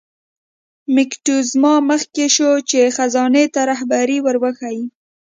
موکتیزوما مخکې شو چې خزانې ته رهبري ور وښیي.